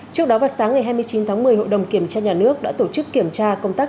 trước đó vào sáng ngày hai mươi chín tháng một mươi hội đồng kiểm tra nhà nước đã tổ chức kiểm tra công tác